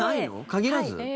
限らず？